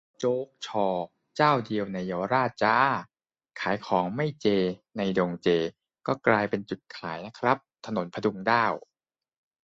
'โจ๊ก 'ชอ' เจ้าเดียวในเยาวราชจ้า' ขายของไม่เจ ในดงเจ ก็กลายเป็นจุดขายนะครับ ถนนผดุงด้าว